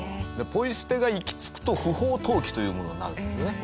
ポイ捨てが行き着くと不法投棄というものになるんですよね。